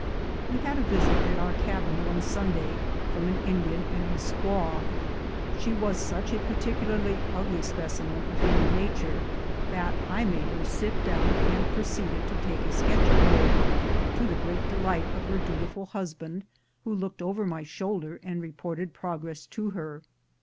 We had a visit at our cabin one Sunday from an Indian and his squaw. She was such a particularly ugly specimen of human nature that I made her sit down, and proceeded to take a sketch of her, to the great delight of her dutiful husband, who looked over my shoulder and reported progress to her.